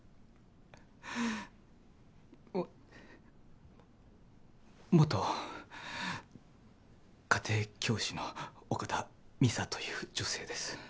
も元家庭教師の岡田美沙という女性です。